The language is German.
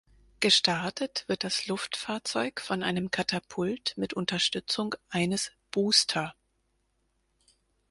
Gestartet wird das Luftfahrzeug von einem Katapult mit Unterstützung eines Booster.